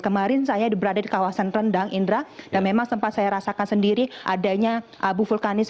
kemarin saya berada di kawasan rendang indra dan memang sempat saya rasakan sendiri adanya abu vulkanis